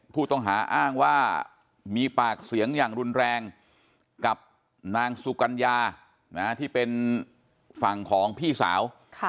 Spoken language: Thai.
ผู้ต้องหาอ้างว่ามีปากเสียงอย่างรุนแรงกับนางสุกัญญาที่เป็นฝั่งของพี่สาว